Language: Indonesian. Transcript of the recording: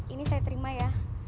ini saya terima ya